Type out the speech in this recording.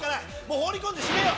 放り込んで閉めよう！